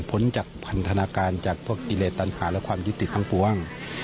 พ้นจากพันธนาการจากพวกอิแลตัญหาและความยุติภังกว้าง